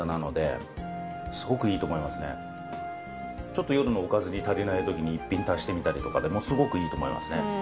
ちょっと夜のおかずに足りない時に１品足してみたりとかでもすごくいいと思いますね。